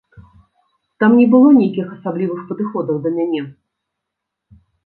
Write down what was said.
Там не было нейкіх асаблівых падыходаў да мяне.